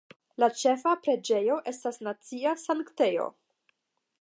La ĉefa preĝejo estas nacia sanktejo.